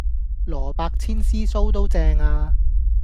蘿蔔千絲酥都正呀